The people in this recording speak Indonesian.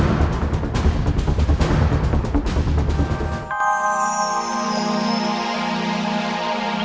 kau tidak bisaet ensep